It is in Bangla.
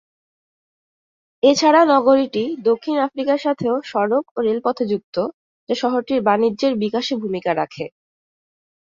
এছাড়া নগরীটি দক্ষিণ আফ্রিকার সাথেও সড়ক ও রেলপথে সংযুক্ত, যা শহরটির বাণিজ্যের বিকাশে ভূমিকা রাখে।